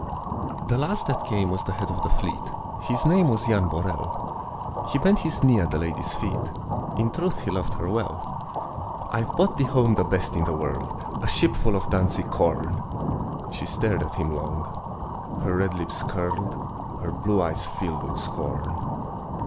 The last that came was the head of the fleet, His name was Jan Borel; He bent his knee at the lady's feet, In truth he loved her well. "I've brought thee home the best i' the world, A shipful of Danzig corn!" She stared at him long; her red lips curled, Her blue eyes filled with scorn.